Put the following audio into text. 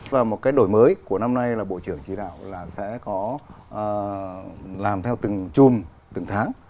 và một cái đổi mới của năm nay là bộ trưởng chỉ đạo là sẽ có làm theo từng chùm từng tháng